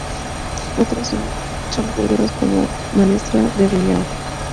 Otras son sólo verduras como la "menestra de Riaño".